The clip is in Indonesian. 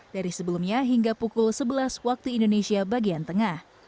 dari sebelumnya hingga pukul sebelas waktu indonesia bagian tengah